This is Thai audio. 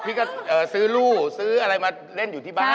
พี่ก็ซื้อลู่ซื้ออะไรมาเล่นอยู่ที่บ้าน